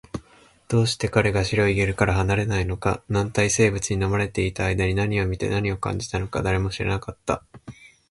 どうして彼が白いゲルから離れないのか、軟体生物に飲まれていた間に何を見て、何を感じたのか、誰も知らなかった